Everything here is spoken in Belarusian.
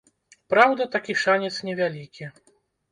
Праўда, такі шанец невялікі.